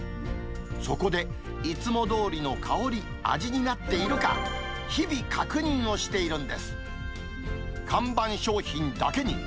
そこで、いつもどおりの香り、味になっているか、日々確認をしているんです。